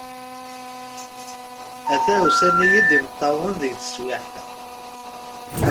Ata usan-iyi-d imeṭṭawen deg teswiεt-a.